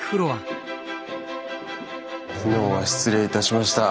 昨日は失礼いたしました。